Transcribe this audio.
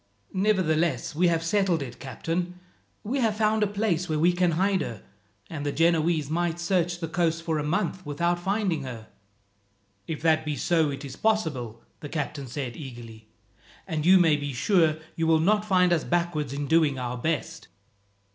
"Nevertheless we have settled it, captain. We have found a place where we can hide her, and the Genoese might search the coast for a month without finding her." "If that be so it is possible," the captain said eagerly, "and you may be sure you will not find us backward in doing our best."